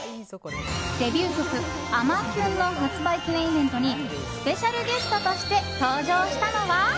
デビュー曲「あまキュン」の発売記念イベントにスペシャルゲストとして登場したのは。